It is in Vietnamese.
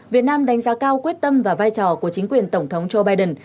việt nam đánh giá cao quyết tâm và vai trò của chính quyền tổng thống joe biden